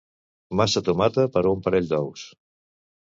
Massa tomata per a un parell d'ous.